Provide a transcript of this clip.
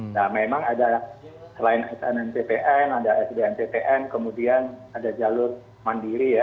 nah memang ada selain snn cpn ada sdn cpn kemudian ada jalur mandiri ya